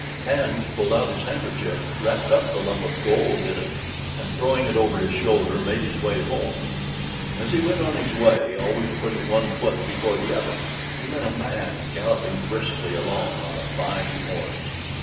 Hans pulled out his handkerchief, wrapped up the lump of gold in it, and, throwing it over his shoulder, made his way home. As he went on his way, always putting one foot before the other, he met a man galloping briskly along on a fine horse.